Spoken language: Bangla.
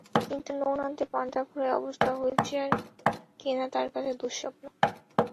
কিন্তু নুন আনতে পান্তা ফুরায় অবস্থায় হুইলচেয়ার কেনা তাঁর কাছে দুঃস্বপ্ন।